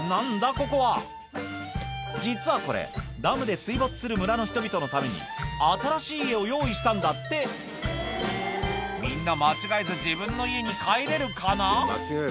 ここは実はこれダムで水没する村の人々のために新しい家を用意したんだってみんな間違えず自分の家に帰れるかな？